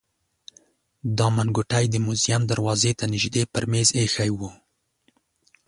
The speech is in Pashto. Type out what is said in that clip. دا منګوټی د موزیم دروازې ته نژدې پر مېز ایښی و.